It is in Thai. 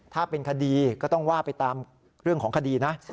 ถ้าเป็นคดีก็ต้องว่าไปตามเรื่องของคดีนะ